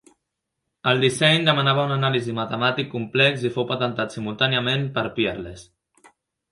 El disseny demanava un anàlisi matemàtic complex i fou patentat simultàniament per Peerless.